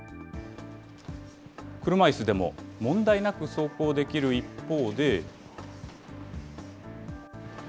車いすでも問題なく走行できる一方で。